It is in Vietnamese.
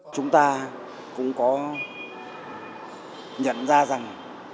chúng ta cũng có nhận ra rằng